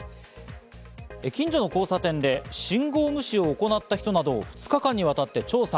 近所の交差点で信号無視を行った人などを２日間にわたって調査。